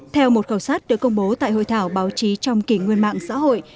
theo một khẩu sát được công bố tại hội thảo báo chí trong kỷ nguyên mạng xã hội